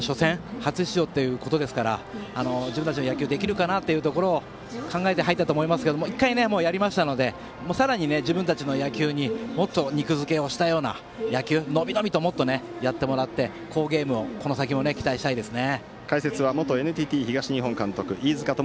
初出場ということですから自分たちの野球ができるかなと考えて入ったと思いますが１回、やりましたのでさらに自分たちの野球にもっと肉付けをしたような野球を伸び伸びとやってもらって好ゲームをこの先も期待したいですね。